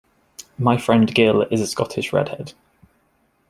My friend Gill is a Scottish redhead.